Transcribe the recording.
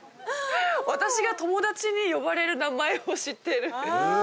私が友達に呼ばれる名前を知ってる。